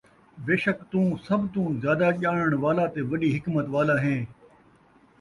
بیشک تُوں سب تُوں زیادہ ڄاݨن والا تے وَݙی حکمت والا ہیں ۔